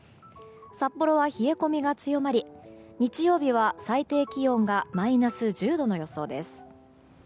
札幌は冷え込みが強まり日曜日は最低気温がマイナス１０度の予想です。